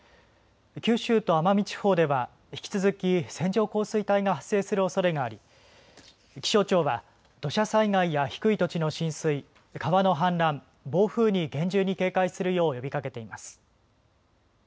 九州と奄美地方では引き続き線状降水帯が発生するおそれがあり気象庁は土砂災害や低い土地の浸水、川の氾濫、暴風に厳重に警戒するよう呼びかけています。